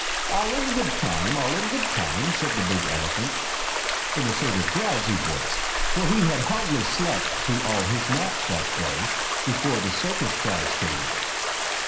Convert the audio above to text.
"All in good time! All in good time," said the big elephant, in a sort of drowsy voice, for he had hardly slept through all his nap that day, before the circus crowds came in.